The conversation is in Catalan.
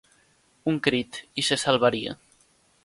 Un crit i se salvaria.